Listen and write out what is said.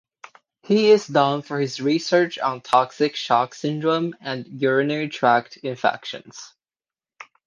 He is known for his research on toxic shock syndrome and urinary tract infections.